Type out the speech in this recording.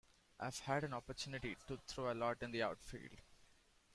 "I've had an opportunity to throw a lot in the outfield.